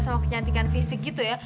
sama kecantikan fisik gitu ya